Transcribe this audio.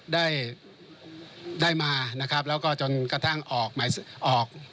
ได้ได้มานะครับแล้วก็จนกระทั่งออกหมายออก